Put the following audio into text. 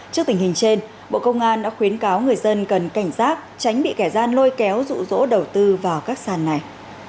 trước tình hình trên bộ công an đã khuyến cáo người dân cần cảnh giác tránh bị kẻ gian lôi kéo rụ rỗ đầu tư vào các sàn này